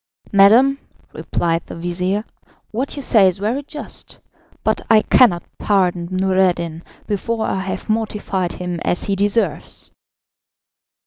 "Madam," replied the vizir, "what you say is very just, but I cannot pardon Noureddin before I have mortified him as he deserves."